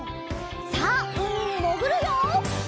さあうみにもぐるよ！